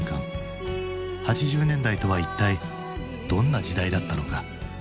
８０年代とは一体どんな時代だったのか？